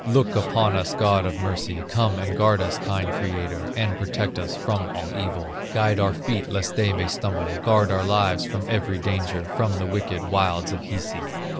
Look upon us, God of mercy, Come and guard us, kind Creator, And protect us from all evil! Guide our feet lest they may stumble, Guard our lives from every danger, From the wicked wilds of Hisi."